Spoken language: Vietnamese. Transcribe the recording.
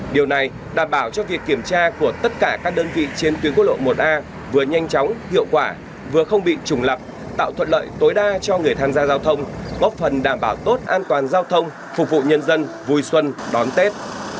điều này đảm bảo cho việc kiểm tra của tất cả các đơn vị trên tuyến quốc lộ một a vừa nhanh chóng hiệu quả vừa không bị trùng lập tạo thuận lợi tối đa cho người tham gia giao thông góp phần đảm bảo tốt an toàn giao thông phục vụ nhân dân vui xuân đón tết